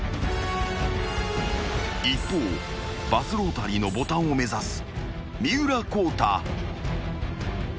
［一方バスロータリーのボタンを目指す三浦孝太］